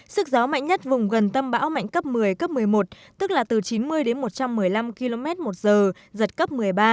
sức gió mạnh nhất vùng gần tâm bão mạnh cấp một mươi cấp một mươi một tức là từ chín mươi đến một trăm một mươi năm km một giờ giật cấp một mươi ba